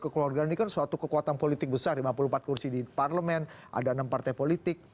kami pasti tidak begitu